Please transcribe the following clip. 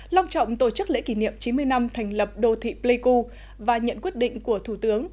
long trọng tổ chức lễ kỷ niệm chín mươi năm thành lập đô thị pleiku và nhận quyết định của thủ tướng